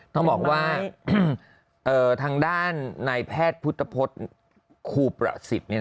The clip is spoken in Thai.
ต้องบอกว่าทางด้านนายแพทย์พุทธพฤษครูประสิทธิ์